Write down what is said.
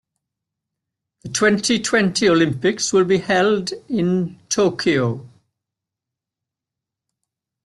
The twenty-twenty Olympics will be held in Tokyo.